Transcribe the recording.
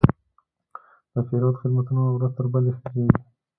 د پیرود خدمتونه ورځ تر بلې ښه کېږي.